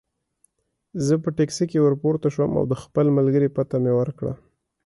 زه په ټکسي کې ورپورته شوم او د خپل ملګري پته مې ورکړه.